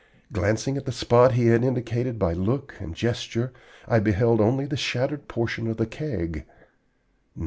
Glancing at the spot he had indicated by look and gesture, I beheld only the shattered portion of the Keg.